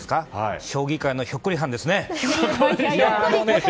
将棋界のひょっこりはんですね。